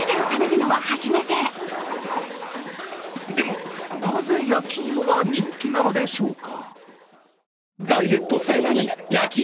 でも、なぜ焼き芋が人気なのでしょうか。